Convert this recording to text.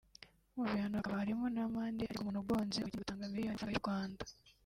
mu bihano hakaba harimo n’amande acibwa umuntu ugonze umukindo agatanga miliyoni y’amafaranga y’u Rwanda